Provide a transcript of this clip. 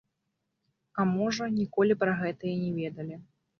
А можа, ніколі пра гэта і не ведалі.